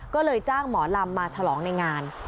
ก็เลยจ้างหมอลำมาฉลองในงาน